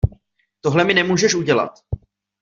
Tohle mi nemůžeš udělat.